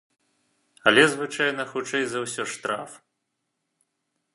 Але звычайна, хутчэй за ўсё, штраф.